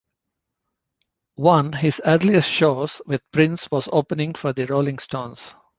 One his earliest shows with Prince was opening for the Rolling Stones.